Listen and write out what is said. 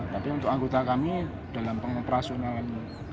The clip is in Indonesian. tapi untuk anggota kami dalam pengoperasionalan